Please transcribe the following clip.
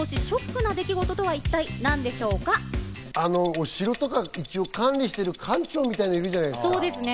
お城とか一応、管理してる館長とかいるじゃないですか？